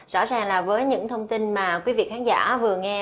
rõ ràng là với những thông tin mà quý vị khán giả vừa nghe